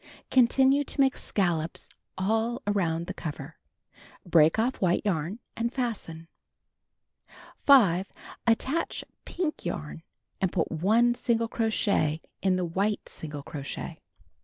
Continue to make scallops all around the cover. Break oft" white yarn and fasten. 5. Attach pink yarn, and put 1 single crochet in the wliite single crochet.